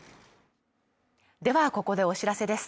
ではここでお知らせです。